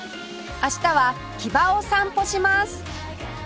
明日は木場を散歩します